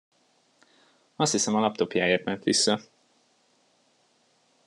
Azt hiszem, a laptopjáért ment vissza.